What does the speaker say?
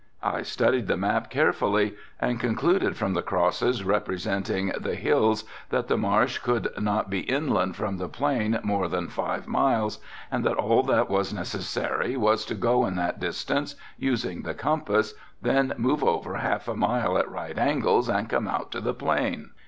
I studied the map carefully and concluded from the crosses representing the hills that the marsh could not be inland from the plain more than five miles and that all that was necessary was to go in that distance, using the compass, then move over half a mile at right angles and come out to the plain.